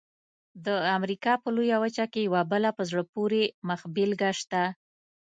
د امریکا په لویه وچه کې یوه بله په زړه پورې مخبېلګه شته.